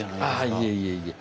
あいえいえいえ。